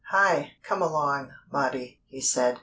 "Hi! Come along, Maudie!" he said.